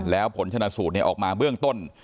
แล้วผลชนะสูตรออกมาเบื้องต้น